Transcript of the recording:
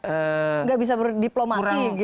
enggak bisa berdiplomasi gitu ya